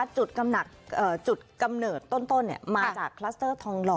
จุดกำเนิดต้นมาจากคลัสเตอร์ทองหล่อ